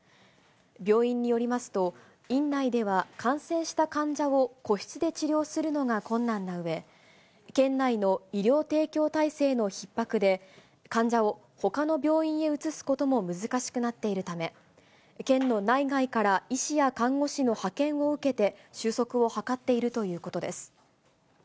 病院によりますと、院内では感染した患者を個室で治療するのが困難なうえ、県内の医療提供体制のひっ迫で、患者をほかの病院へ移すことも難しくなっているため、県の内外から医師や看護師の派遣を受けて、収束を図っているということです。